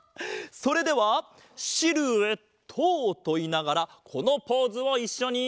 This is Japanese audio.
それでは「シルエット」といいながらこのポーズをいっしょに。